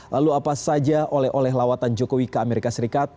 lalu apa saja oleh oleh lawatan jokowi ke amerika serikat